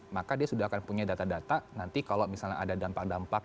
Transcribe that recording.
maka dia sudah akan punya data data nanti kalau misalnya ada dampak dampak